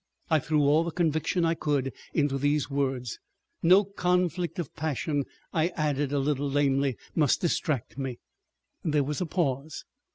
I threw all the conviction I could into these words. ... "No conflict of passion." I added a little lamely, "must distract me." There was a pause.